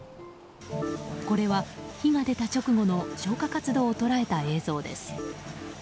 これは、火が出た直後の消火活動を捉えた映像です。